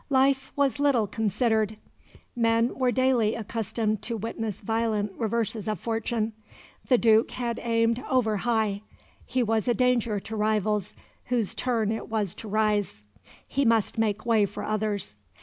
Life was little considered. Men were daily accustomed to witness violent reverses of fortune. The Duke had aimed over high; he was a danger to rivals whose turn it was to rise; he must make way for others.